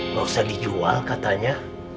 gak usah dijual katanya